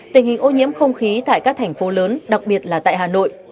tình hình ô nhiễm không khí tại các thành phố lớn đặc biệt là tại hà nội